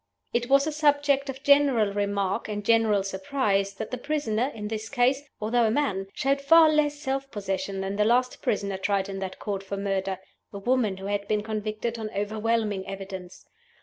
It was a subject of general remark and general surprise that the prisoner, in this case (although a man), showed far less self possession than the last prisoner tried in that Court for murder a woman, who had been convicted on overwhelming evidence.